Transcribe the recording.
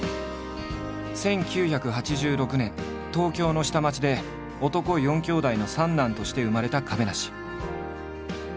１９８６年東京の下町で男４兄弟の３男として生まれた亀梨。